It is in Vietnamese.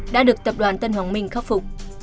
đã được tập đoàn tân hoàng minh khắc phục